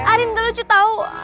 arin udah lucu tau